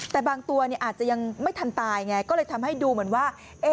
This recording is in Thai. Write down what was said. แต่บางตัวอาจจะยังไม่ทันตายไงก็เลยทำให้ดูเหมือนว่า